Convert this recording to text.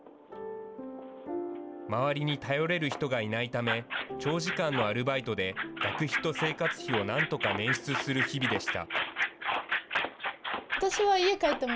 周りに頼れる人がいないため、長時間のアルバイトで学費と生活費をなんとか捻出する日々でした。